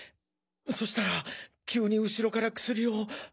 そしたら急に後ろから薬を